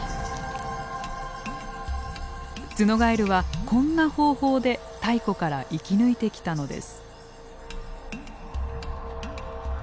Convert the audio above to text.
ツノガエルはこんな方法で太古から生き抜いてきたのです。